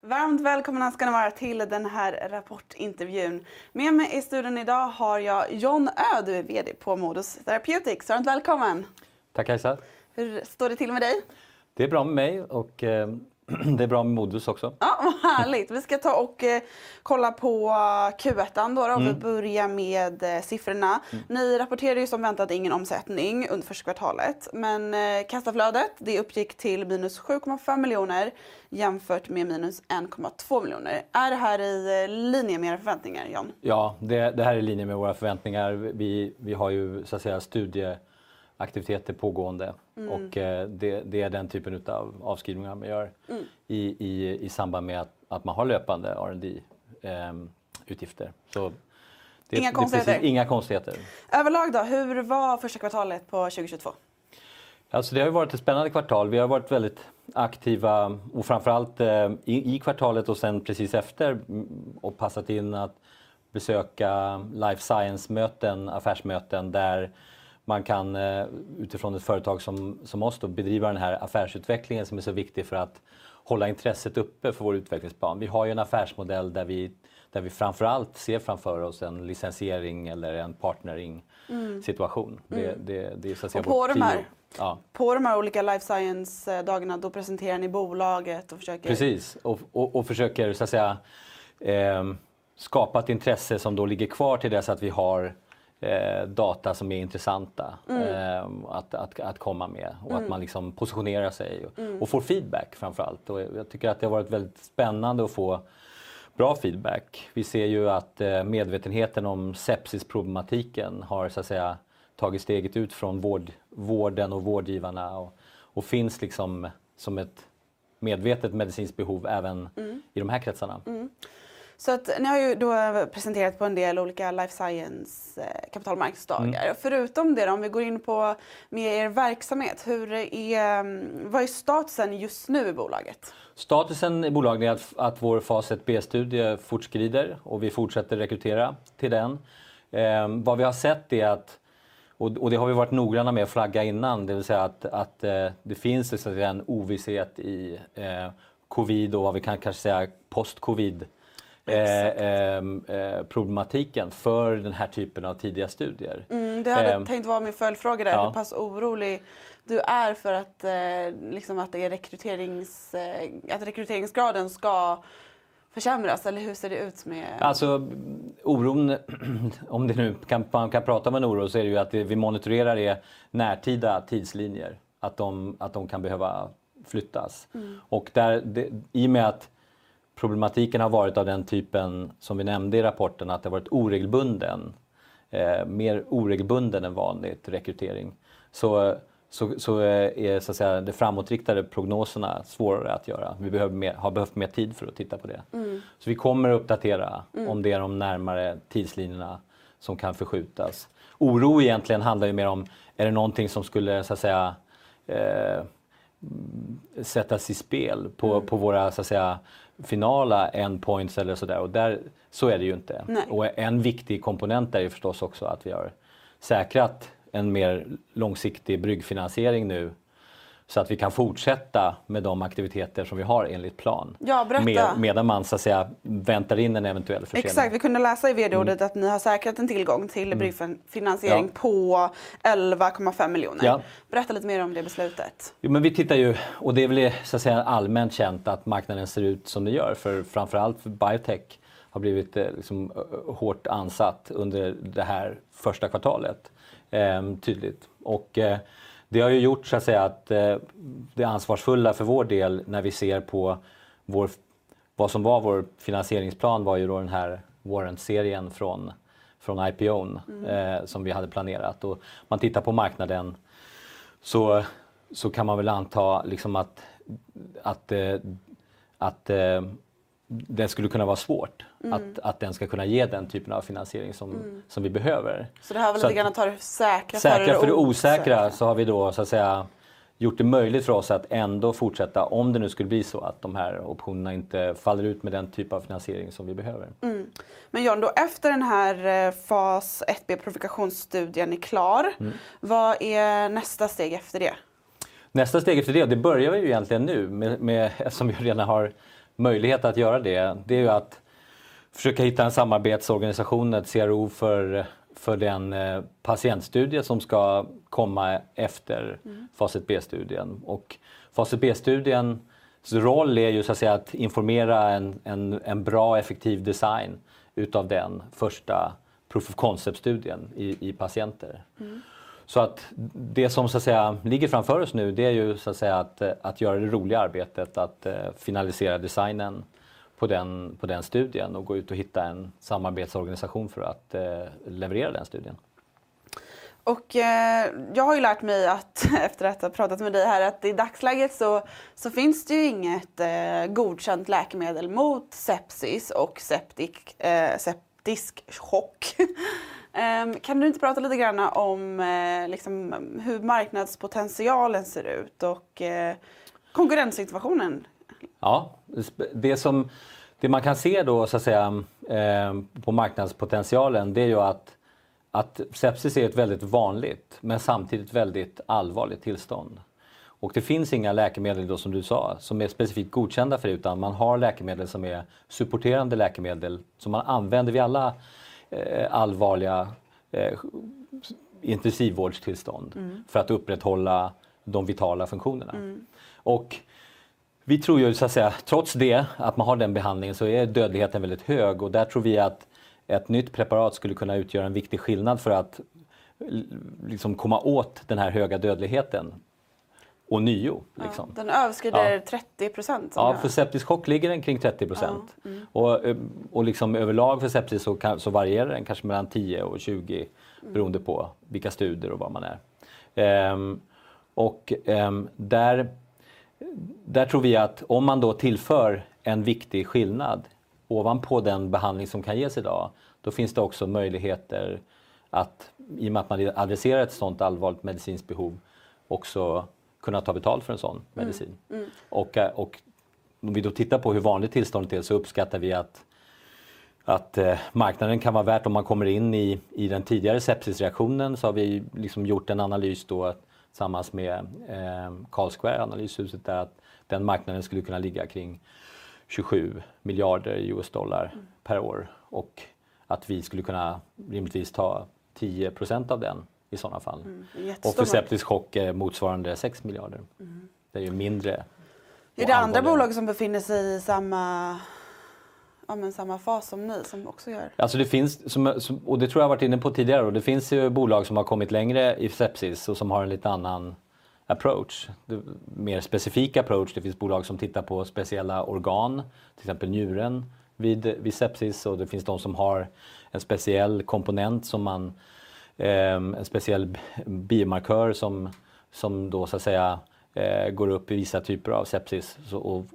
Varmt välkomna ska ni vara till den här Rapportintervjun. Med mig i studion i dag har jag John Öhd. Du är VD på Modus Therapeutics. Varmt välkommen. Tack Elsa. Hur står det till med dig? Det är bra med mig och det är bra med Modus också. Ja, vad härligt. Vi ska ta och kolla på Q1 då om vi börjar med siffrorna. Ni rapporterade ju som väntat ingen omsättning under första kvartalet, men kassaflödet, det uppgick till -7.5 miljoner jämfört med -1.2 miljoner. Är det här i linje med era förväntningar John Öhd? Ja, det här är i linje med våra förväntningar. Vi har ju så att säga studieaktiviteter pågående och det är den typen utav avskrivningar man gör i samband med att man har löpande R&D-utgifter. Inga konstigheter. Inga konstigheter. Överlag då, hur var första kvartalet på 2022? Det har ju varit ett spännande kvartal. Vi har varit väldigt aktiva och, främst av allt, i kvartalet och sen precis efter och passat in att besöka Life Science-möten, affärsmöten där man kan utifrån ett företag som oss då bedriva den här affärsutvecklingen som är så viktig för att hålla intresset uppe för vår utvecklingsplan. Vi har ju en affärsmodell där vi, främst av allt, ser framför oss en licensiering eller en partnering-situation. Det är så att säga vårt. På de här olika Life Science-dagarna, då presenterar ni bolaget och försöker. Precis, och försöker så att säga skapa ett intresse som då ligger kvar till dess att vi har data som är intressanta att komma med och att man positionerar sig och får feedback framför allt. Jag tycker att det har varit väldigt spännande att få bra feedback. Vi ser ju att medvetenheten om sepsis-problematiken har så att säga tagit steget ut från vården och vårdgivarna och finns liksom som ett medvetet medicinskt behov även i de här kretsarna. Ni har ju då presenterat på en del olika Life Science kapitalmarknadsdagar. Förutom det, om vi går in på mer er verksamhet, vad är statusen just nu i bolaget? Statusen i bolaget är att vår fas 1b-studie fortskrider och vi fortsätter rekrytera till den. Vad vi har sett är att, och det har vi varit noggranna med att flagga innan, det vill säga att det finns en ovisshet i Covid och vad vi kanske kan säga post-Covid-problematiken för den här typen av tidiga studier. Det var tänkt att vara min följdfråga där. Hur pass orolig du är för att, liksom att rekryteringsgraden ska försämras? Eller hur ser det ut med? Alltså oron, om det nu kan, man kan prata om en oro, så är det ju att vi monitorerar våra närtida tidslinjer, att de kan behöva flyttas. Där, i och med att problematiken har varit av den typen som vi nämnde i rapporten, att det har varit oregelbunden, mer oregelbunden än vanligt rekrytering, så är så att säga de framåtriktade prognoserna svårare att göra. Vi behöver mer, har behövt mer tid för att titta på det. Vi kommer att uppdatera om det är de närmare tidslinjerna som kan förskjutas. Oro egentligen handlar ju mer om det är någonting som skulle så att säga sättas i spel på våra så att säga finala endpoints eller sådär. Där är det ju inte. En viktig komponent är ju förstås också att vi har säkrat en mer långsiktig bryggfinansiering nu så att vi kan fortsätta med de aktiviteter som vi har enligt plan. Ja, berätta. Medan man så att säga väntar in en eventuell försäljning. Exakt, vi kunde läsa i VD-ordet att ni har säkrat en tillgång till bryggfinansiering på 11.5 million. Berätta lite mer om det beslutet. Jo men vi tittar ju och det är väl så att säga allmänt känt att marknaden ser ut som det gör. För framför allt för biotech har blivit liksom hårt ansatt under det här första kvartalet, tydligt. Det har ju gjort så att säga att det ansvarsfulla för vår del när vi ser på vår, vad som var vår finansieringsplan var ju då den här warrant-serien från IPO:n som vi hade planerat. Man tittar på marknaden så kan man väl anta liksom att den skulle kunna vara svårt. Att den ska kunna ge den typen av finansiering som vi behöver. Det här var lite grann att ta det säkra för det osäkra. Säkra för det osäkra, så har vi då så att säga gjort det möjligt för oss att ändå fortsätta, om det nu skulle bli så att de här optionerna inte faller ut med den typ av finansiering som vi behöver. John Öhd, efter den här fas 1b-provokationsstudien är klar, vad är nästa steg efter det? Nästa steg efter det börjar vi egentligen nu med, eftersom vi redan har möjlighet att göra det. Det är ju att försöka hitta en samarbetsorganisation, ett CRO, för den patientstudie som ska komma efter fas 1b-studien. Fas 1b-studiens roll är ju så att säga att informera en bra effektiv design utav den första proof of concept-studien i patienter. Så att det som så att säga ligger framför oss nu, det är ju så att säga att göra det roliga arbetet, att finalisera designen på den studien och gå ut och hitta en samarbetsorganisation för att leverera den studien. Jag har ju lärt mig att efter att ha pratat med dig här att i dagsläget så finns det ju inget godkänt läkemedel mot sepsis och septisk chock. Kan du inte prata lite grann om liksom hur marknadspotentialen ser ut och konkurrenssituationen? Ja, det man kan se då så att säga på marknadspotentialen, det är ju att sepsis är ett väldigt vanligt men samtidigt väldigt allvarligt tillstånd. Det finns inga läkemedel då som du sa, som är specifikt godkända för det, utan man har läkemedel som är supporterande läkemedel som man använder vid alla allvarliga intensivvårdstillstånd för att upprätthålla de vitala funktionerna. Vi tror ju så att säga, trots det att man har den behandlingen, så är dödligheten väldigt hög och där tror vi att ett nytt preparat skulle kunna utgöra en viktig skillnad för att liksom komma åt den här höga dödligheten ånyo liksom. Den överskrider 30%. Ja, för septisk chock ligger den kring 30%. Liksom överlag för sepsis så varierar den kanske mellan 10%-20% beroende på vilka studier och var man är. Där tror vi att om man då tillför en viktig skillnad ovanpå den behandling som kan ges i dag, då finns det också möjligheter att i och med att man adresserar ett sådant allvarligt medicinskt behov också kunna ta betalt för en sådan medicin. Om vi då tittar på hur vanligt tillståndet är så uppskattar vi att marknaden kan vara värt om man kommer in i den tidigare sepsisreaktionen så har vi liksom gjort en analys då tillsammans med Carlsquare, analyshuset, där den marknaden skulle kunna ligga kring $27 billion per år och att vi skulle kunna rimligtvis ta 10% av den i sådana fall. För septisk chock är motsvarande 6 miljarder. Det är ju mindre. Är det andra bolag som befinner sig i samma fas som ni som också gör? Alltså det finns, och det tror jag har varit inne på tidigare då. Det finns ju bolag som har kommit längre i sepsis och som har en lite annan approach, mer specifik approach. Det finns bolag som tittar på speciella organ, till exempel njuren vid sepsis. Det finns de som har en speciell biomarkör som då så att säga går upp i vissa typer av sepsis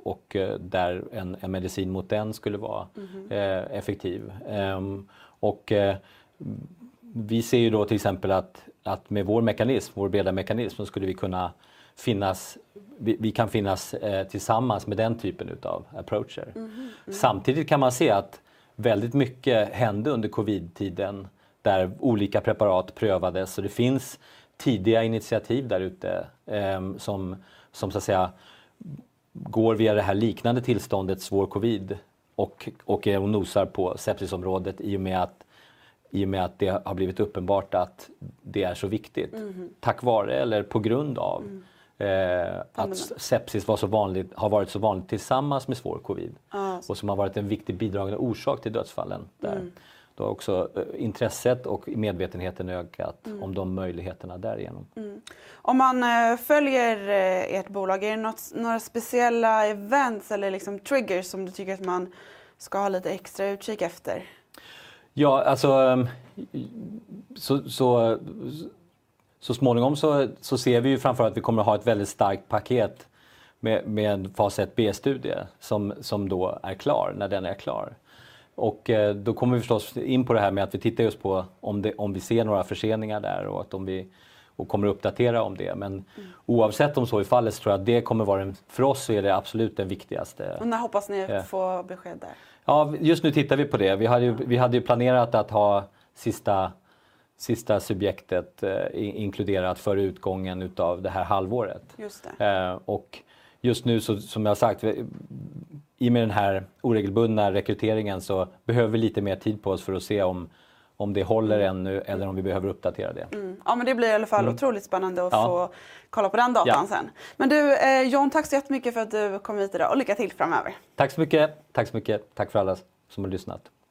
och där en medicin mot den skulle vara effektiv. Vi ser ju då till exempel att med vår mekanism, vår breda mekanism, så skulle vi kunna finnas, vi kan finnas tillsammans med den typen av approacher. Samtidigt kan man se att väldigt mycket hände under Covid-tiden där olika preparat prövades. Det finns tidiga initiativ där ute som så att säga går via det här liknande tillståndet svår Covid och nosar på sepsisområdet i och med att det har blivit uppenbart att det är så viktigt. Tack vare eller på grund av att sepsis var så vanligt, har varit så vanligt tillsammans med svår Covid och som har varit en viktig bidragande orsak till dödsfallen där. Då har också intresset och medvetenheten ökat om de möjligheterna därigenom. Om man följer ert bolag, är det något, några speciella events eller liksom triggers som du tycker att man ska ha lite extra utkik efter? Småningom ser vi framför allt att vi kommer att ha ett väldigt starkt paket med en fas 1b-studie som då är klar, när den är klar. Då kommer vi förstås in på det här med att vi tittar just på om vi ser några förseningar där och att vi kommer att uppdatera om det. Oavsett, om så är fallet, så tror jag att det kommer vara en, för oss är det absolut den viktigaste- När hoppas ni att få besked där? Ja just nu tittar vi på det. Vi hade ju planerat att ha sista subjektet inkluderat före utgången utav det här halvåret. Just nu, som jag sagt, i och med den här oregelbundna rekryteringen så behöver vi lite mer tid på oss för att se om det håller ännu eller om vi behöver uppdatera det. Ja men det blir i alla fall otroligt spännande att få kolla på den datan sen. Du John Ö, tack så jättemycket för att du kom hit i dag och lycka till framöver. Tack så mycket. Tack för alla som har lyssnat.